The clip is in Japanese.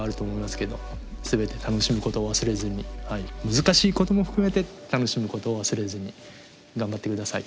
難しいことも含めて楽しむことを忘れずに頑張って下さい。